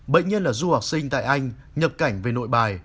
bệnh nhân là du học sinh tại anh nhập cảnh về nội bài